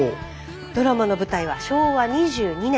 ドラマの舞台は昭和２２年。